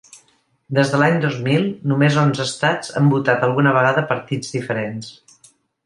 Des de l’any dos mil, només onze estats han votat alguna vegada partits diferents.